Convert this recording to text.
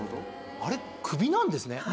あれ首なんですね。